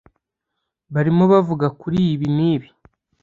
Barimo bavuga kuri ibi nibi